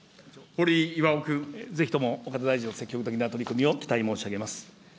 ぜひとも、岡田大臣の積極的な取り組みを期待申し上げます。